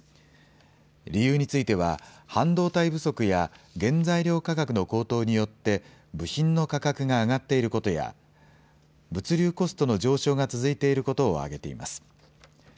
理由については半導体不足や原材料価格の高騰によって部品の価格が上がっていることや物流コストの上昇が続いていることを挙げています。